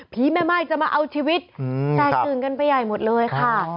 ผีแม่ไม่จะมาเอาชีวิตแสดงกันไปใหญ่หมดเลยค่ะ